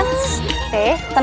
ustadz udah bilang